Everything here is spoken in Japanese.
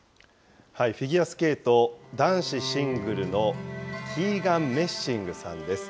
フィギュアスケート男子シングルのキーガン・メッシングさんです。